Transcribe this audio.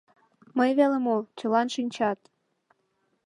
Мый веле мо, чылан шинчат.